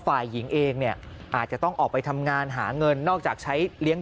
ฝ่ายหญิงเองเนี่ยอาจจะต้องออกไปทำงานหาเงินนอกจากใช้เลี้ยง